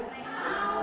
warga lanjut usia